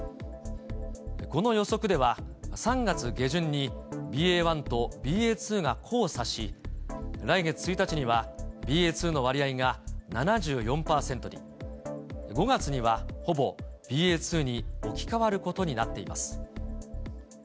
この予測では、３月下旬にＢＡ．１とＢＡ．２が交差し、来月１日には、ＢＡ．２の割合が７４％に、５月にはほぼＢＡ．２に置き換わることになっています。